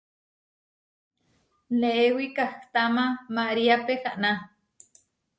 Neé wikahtáma María pehána.